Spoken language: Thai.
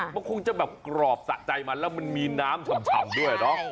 มันคงชอบกรอบสะใจมันและมีน้ำฉ่ำด้วยเนอะ